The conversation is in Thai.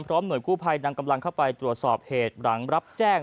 หน่วยกู้ภัยนำกำลังเข้าไปตรวจสอบเหตุหลังรับแจ้ง